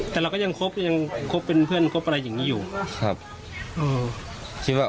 แต่เราก็ยังคบยังคบเป็นเพื่อนคบอะไรอย่างนี้อยู่ครับ